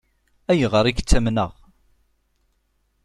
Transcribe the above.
Ayɣer i k-ttamneɣ?